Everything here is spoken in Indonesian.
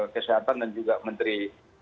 kesehatan dan juga menteri